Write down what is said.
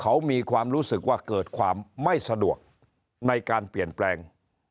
เขามีความรู้สึกว่าเกิดความไม่สะดวกในการเปลี่ยนแปลง